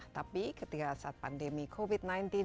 tapi ketika saat pandemi covid sembilan belas